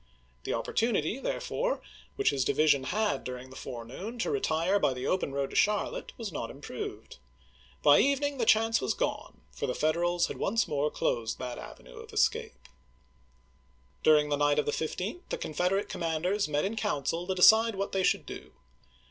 The opportunity, therefore, which his division had during the forenoon to retire by the open road to Charlotte was not improved. By evening the chance was gone, for the Federals had once more closed that avenue of escape. 198 ABRAHAM LINCOLN CH.u». XI. During the night of the 15th, the Confederate Feb., 18C2. commanders met in council to decide what they should do.